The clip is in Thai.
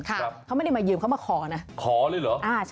เขาไม่ได้มายืมเขามาขอนะ